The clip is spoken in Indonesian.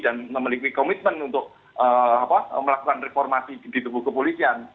dan memiliki komitmen untuk melakukan reformasi di teguh kepulisian